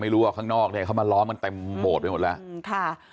ไม่รู้ว่าข้างนอกเนี่ยเขามาล้อมกันไปหมดไปหมดแล้ว